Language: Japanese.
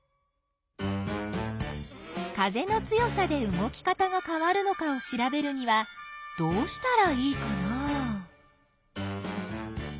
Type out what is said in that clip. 風の強さで動き方がかわるのかをしらべるにはどうしたらいいかな？